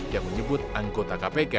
yang menyebut anggota kpk harus melibatkan